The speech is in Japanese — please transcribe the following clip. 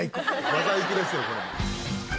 技育ですよこれ。